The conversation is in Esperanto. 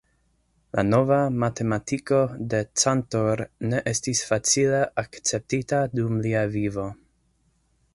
La nova matematiko de Cantor ne estis facile akceptita dum lia vivo.